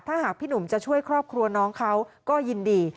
ถ้าหากพี่หนุ่มจะช่วยครอบครัวน้องเขาก็ยินดี